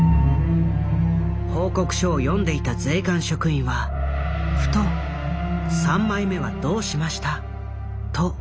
報告書を読んでいた税関職員はふと「３枚目はどうしました？」と聞いた。